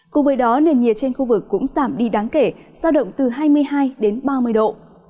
cùng với đó nền nhiệt trên khu vực cũng giảm đi đáng kể giao động từ hai mươi hai đến ba mươi độ